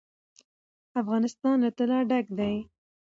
افغانستان له طلا ډک دی.